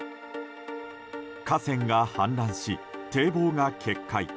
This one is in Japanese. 河川が氾濫し、堤防が決壊。